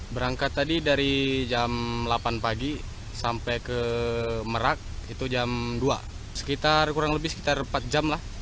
berangkat tadi dari jam delapan pagi sampai ke merak itu jam dua sekitar kurang lebih sekitar empat jam lah